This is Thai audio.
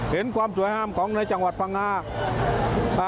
เห็นความสวยงามของในจังหวัดพังงา